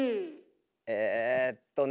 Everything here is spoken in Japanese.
えっとね